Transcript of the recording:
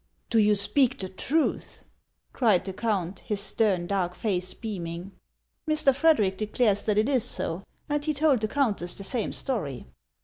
"Do you speak the truth ?" cried the count, his stern, dark face beaming. " Mr. Frederic declares that it is so, and he told the countess the same story."